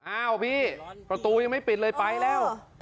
อ้าวพี่ประตูยังไม่ปิดเลยไปแล้ว